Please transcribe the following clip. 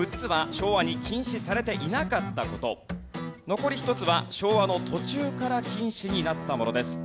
残り１つは昭和の途中から禁止になったものです。